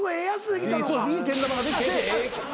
いいけん玉ができて。